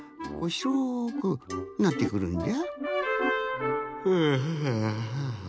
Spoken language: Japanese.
しょくなってくるんじゃ。